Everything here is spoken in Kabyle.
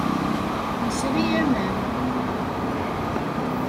Nesri aman.